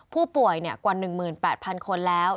ผู้ป่วยกว่า๑๘๐๐๐คนแล้ว